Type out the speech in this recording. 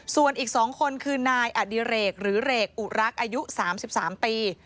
ส่วนอีก๒คนคือนายอดิเรกหรือเรกอุรักษ์อายุ๓๓ปี